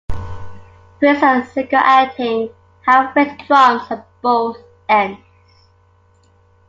Brakes are single acting, half width drums at both ends.